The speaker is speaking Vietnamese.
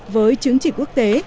với chứng chỉ quốc tế